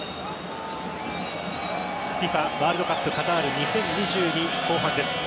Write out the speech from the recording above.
ＦＩＦＡワールドカップカタール２０２２後半です。